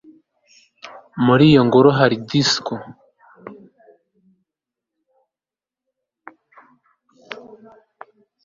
muri iyo ngoro hari disco